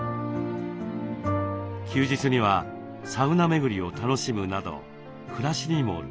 休日にはサウナ巡りを楽しむなど暮らしにもリズムが。